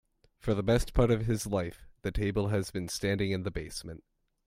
For the best part of its life, the table has been standing in the basement.